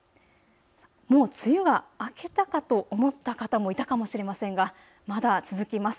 もう梅雨が明けたかと思った方もいたかもしれませんがまだ続きます。